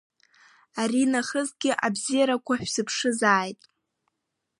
Ари нахысгьы абзиарақәа шәзыԥшызааит!